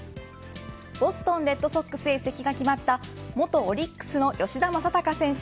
ボストンレッドソックスへ移籍が決まった元オリックスの吉田正尚選手。